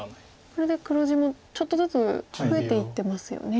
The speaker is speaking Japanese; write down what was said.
これで黒地もちょっとずつ増えていってますよね。